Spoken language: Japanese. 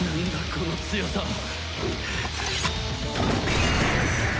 この強さは！